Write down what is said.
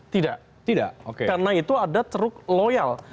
tidak tidak karena itu ada ceruk loyal